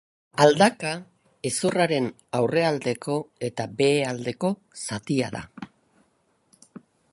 Aldaka hezurraren aurrealdeko eta behealdeko zatia da.